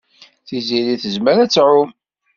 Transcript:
Tiziri tezmer ad tɛum.